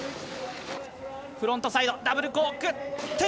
フロントサイドダブルコーク１０８０！